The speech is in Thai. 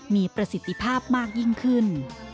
มีประสิทธิภาพมากยิ่งขึ้น